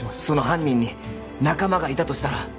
その犯人に仲間がいたとしたら？